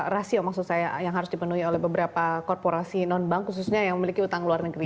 rasio maksud saya yang harus dipenuhi oleh beberapa korporasi non bank khususnya yang memiliki utang luar negeri